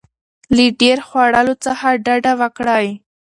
له ډیر خوړلو ډډه وکړئ.